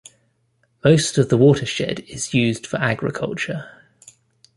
Most of the watershed is used for agriculture.